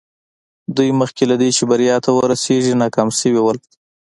دوی مخکې له دې چې بريا ته ورسېږي ناکام شوي وو.